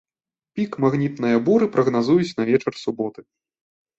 Пік магнітная буры прагназуюць на вечар суботы.